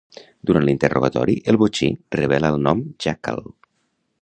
Durant l'interrogatori, el botxí revela el nom "Jackal".